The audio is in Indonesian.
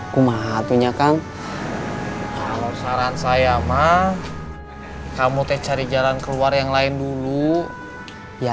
kumah artinya kan kalau saran saya mah kamu teh cari jalan keluar yang lain dulu ya